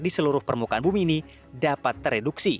di seluruh permukaan bumi ini dapat tereduksi